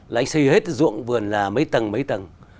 là anh xây hết ruộng vườn là mấy tầng mấy tầng